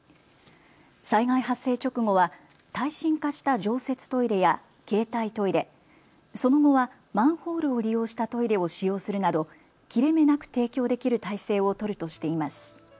災害発生直後は耐震化した常設トイレや携帯トイレ、その後はマンホールを利用したトイレを使用するなど切れ目なく提供できる態勢を取るとしています。